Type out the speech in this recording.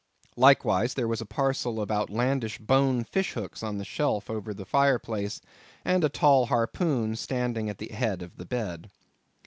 Likewise, there was a parcel of outlandish bone fish hooks on the shelf over the fire place, and a tall harpoon standing at the head of the bed.